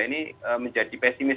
ini menjadi pesimis